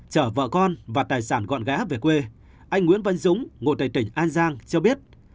trở vợ con và tài sản gọn gã về quê anh nguyễn văn dũng ngôi tài tỉnh an giang cho biết